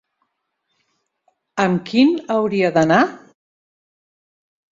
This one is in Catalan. Amb quin hauria d'anar?